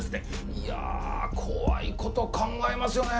いや怖いこと考えますよね。